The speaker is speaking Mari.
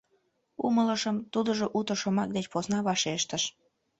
— Умылышым, — тудыжо уто шомак деч посна вашештен.